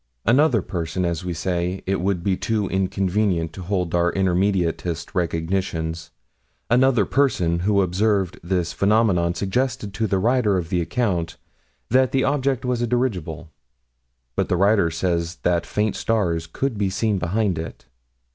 Another person as we say: it would be too inconvenient to hold to our intermediatist recognitions another person who observed this phenomenon suggested to the writer of the account that the object was a dirigible, but the writer says that faint stars could be seen behind it.